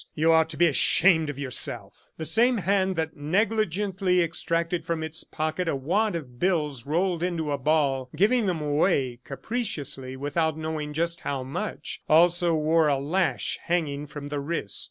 You ought to be ashamed of yourself." The same hand that negligently extracted from his pocket a wad of bills rolled into a ball, giving them away capriciously without knowing just how much, also wore a lash hanging from the wrist.